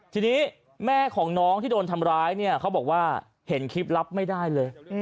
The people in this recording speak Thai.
ทีนี้แม่ของน้องที่โดนทำร้ายเนี่ยเขาบอกว่าเห็นคลิปรับไม่ได้เลย